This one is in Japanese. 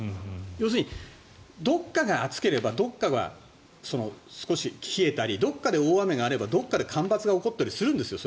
要するに、どこかが暑ければどこかが少し冷えたりどこかで大雨があればどこかで干ばつが起こったりするんですよ。